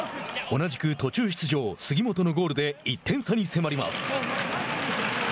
同じく途中出場杉本のゴールで１点差に迫ります。